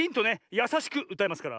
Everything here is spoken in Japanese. やさしくうたいますから。